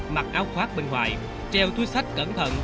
mặc áo khoác bên ngoài treo túi sách cẩn thận